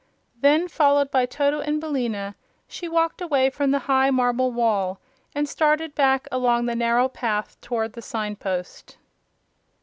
Then, followed by Toto and Billina, she walked away from the high marble wall and started back along the narrow path toward the sign post.